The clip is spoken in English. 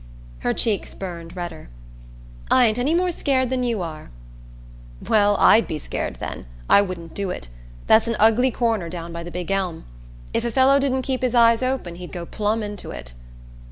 Her cheeks burned redder. "I ain't any more scared than you are!" "Well, I'd be scared, then; I wouldn't do it. That's an ugly corner down by the big elm. If a fellow didn't keep his eyes open he'd go plumb into it."